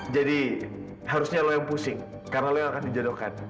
jadi harusnya lo yang pusing karena lo yang akan dijodohkan